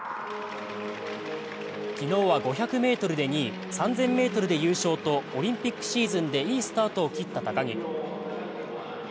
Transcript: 昨日は５００ｍで２位、３０００ｍで優勝とオリンピックシーズンでいいスタートを切った高木。